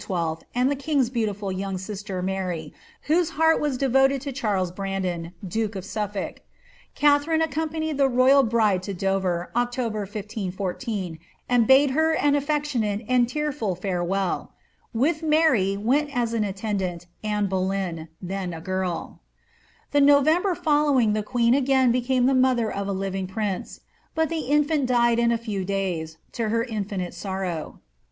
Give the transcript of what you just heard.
and the king's beautiful young sister Mttry^ whose heart was devoted to Charles Brandon, duke of Sufiblk. Katharine accompanied the royal bride to Dover, October 1514, and bade her an affectionate and teaiful fiurewell ; with Mary went as attendant Anne Boleyn, then a girL The November following the queen again be(»une the mother of a living prince, but the infant died in a few days, to her infinite sorrow.'